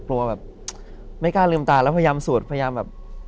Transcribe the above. แบบไม่กล้าลืมตาแล้วพยายามสวดพยายามแบบ